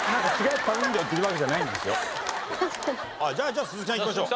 じゃあ鈴木さんいきましょう。